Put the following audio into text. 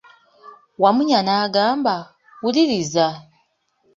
Wamunya n'agamba, wuliriza!